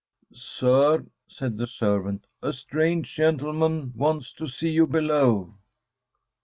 "Sir," said the servant, "a strange gentleman wants to see you below."